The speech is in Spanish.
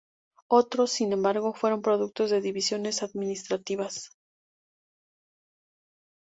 Otros, sin embargo, fueron productos de divisiones administrativas.